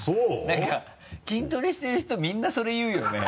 なんか筋トレしてる人みんなそれ言うよね。